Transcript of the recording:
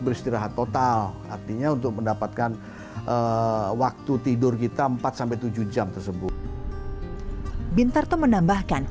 beristirahat total artinya untuk mendapatkan waktu tidur kita empat tujuh jam tersebut bintarto menambahkan